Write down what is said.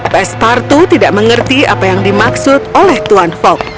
pasparto tidak mengerti apa yang dimaksud oleh tuan fogg